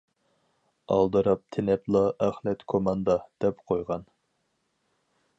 ئالدىراپ تېنەپلا «ئەخلەت كوماندا» دەپ قويغان.